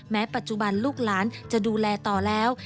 ปัจจุบันลูกหลานจะดูแลต่อแล้ว